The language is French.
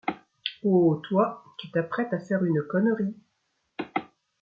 Oh, toi, tu t’apprêtes à faire une connerie. ..